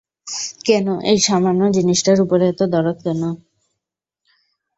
কেন, এই সামান্য জিনিসটার উপরে এত দরদ কেন?